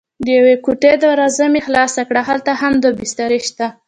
د یوې کوټې دروازه مې خلاصه کړه: هلته هم دوه بسترې شته.